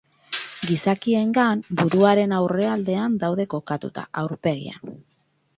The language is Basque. Gizakiengan, buruaren aurrealdean daude kokatuta, aurpegian.